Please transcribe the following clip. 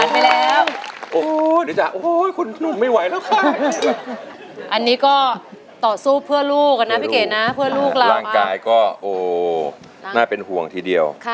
มีอนาคตรงด้วยของเธอหลังกายไม่ผิด